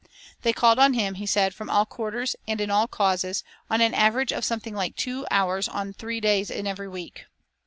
They called on him, he said, "from all quarters and in all causes, on an average of something like two hours on three days in every week."